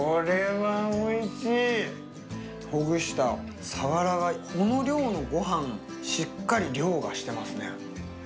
ほぐしたサワラがこの量のごはんをしっかり凌駕してますね。